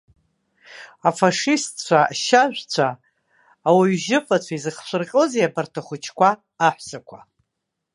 Афашистцәа, ашьажәцәа, ауаҩжьыфацәа, изыхшәырҟьозеи абарҭ ахәыҷқәа, аҳәсақәа.